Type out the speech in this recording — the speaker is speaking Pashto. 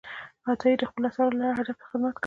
عطايي د خپلو آثارو له لارې ادب ته خدمت کړی دی.